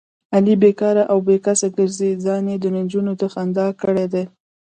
علي بیکاره او بې کسبه ګرځي، ځان یې دنجونو د خندا کړی دی.